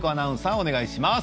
お願いします。